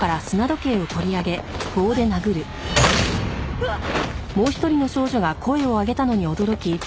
うわっ！